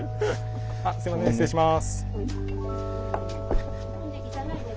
すいません失礼します。